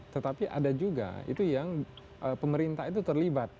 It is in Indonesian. tetapi ada juga itu yang pemerintah itu terlibat